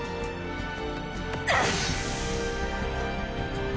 うっ！！